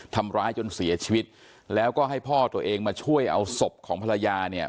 ทำร้ายจนเสียชีวิตแล้วก็ให้พ่อตัวเองมาช่วยเอาศพของภรรยาเนี่ย